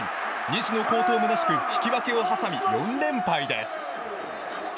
西の好投むなしく引き分けを挟み、４連敗です。